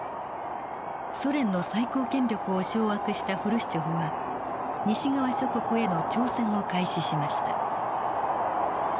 ソ連の最高権力を掌握したフルシチョフは西側諸国への挑戦を開始しました。